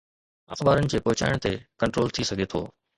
اخبارن جي پهچائڻ تي ڪنٽرول ٿي سگهي ٿو.